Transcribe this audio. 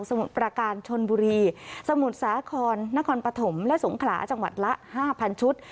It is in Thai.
มุดประการชนบุรีสมุทรสาครนครปฐมและสงขลาจังหวัดละ๕๐๐ชุด